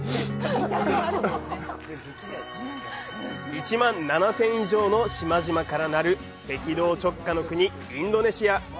１万７０００以上の島々からなる赤道直下の国、インドネシア。